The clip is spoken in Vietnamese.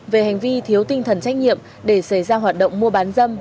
về hành vi thiếu tinh thần trách nhiệm để xảy ra hoạt động mua bán dâm